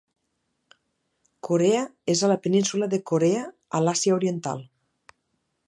Corea és a la península de Corea a l'Àsia Oriental.